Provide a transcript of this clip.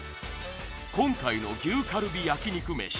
今回の牛カルビ焼肉めし